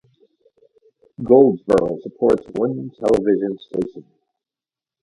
Goldsboro supports one television station.